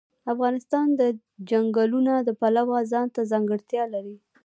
افغانستان د چنګلونه د پلوه ځانته ځانګړتیا لري.